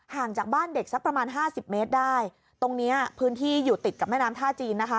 จากบ้านเด็กสักประมาณห้าสิบเมตรได้ตรงเนี้ยพื้นที่อยู่ติดกับแม่น้ำท่าจีนนะคะ